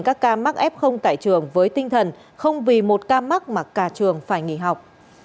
các ca mắc f tại trường với tinh thần không vì một ca mắc mà cả trường phải nghỉ học